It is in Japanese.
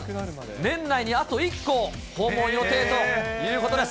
年内にあと１校、訪問予定ということです。